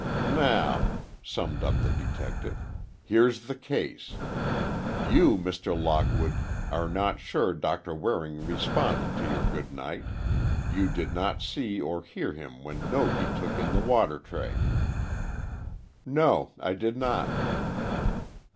"Now," summed up the detective, "here's the case. You, Mr. Lockwood, are not sure Doctor Waring responded to your good night. You did not see or hear him when Nogi took in the water tray?" "No; I did not."